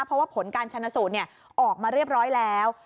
เพราะว่าผลการชนะสูตรออกมาเรียบร้อยแล้ว